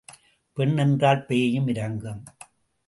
பெண் என்றால் பேயும் இரங்கும்.